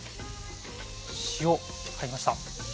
塩入りました。